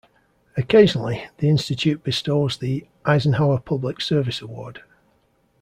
Occasionally, the institute bestows the Eisenhower Public Service Award.